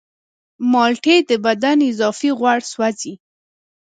مالټې د بدن اضافي غوړ سوځوي.